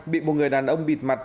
bị một người đàn ông bịt mặt